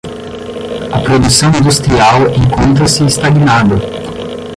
A produção industrial encontra-se estagnada